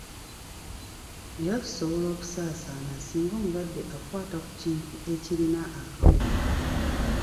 Era kisobola okusaasana singa omulwadde akwata ku kintu ekirina akawuka.